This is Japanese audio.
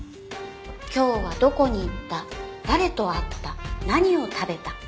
今日はどこに行った誰と会った何を食べた。